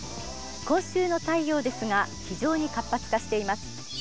今週の太陽ですが非常に活発化しています。